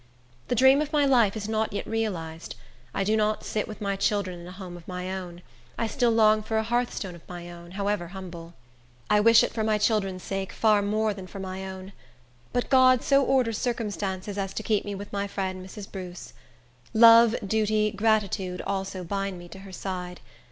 The dream of my life is not yet realized. I do not sit with my children in a home of my own, I still long for a hearthstone of my own, however humble. I wish it for my children's sake far more than for my own. But God so orders circumstances as to keep me with my friend Mrs. Bruce. Love, duty, gratitude, also bind me to her side.